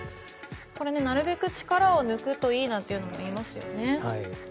なるべく力を抜くといいなんていいますよね。